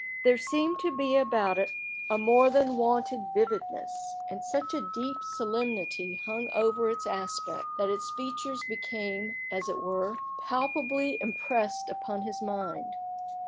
There seemed to be about it a more than wonted vividness, and such a deep solemnity hung over its aspect, that its features became, as it were, palpably impressed upon his mind.